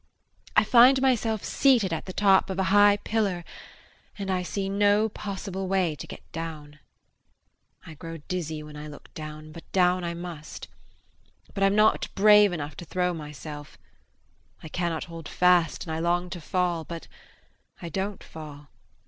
I find myself seated at the top of a high pillar and I see no possible way to get down. I grow dizzy when I look down, but down I must. But I'm not brave enough to throw myself; I cannot hold fast and I long to fall but I don't fall.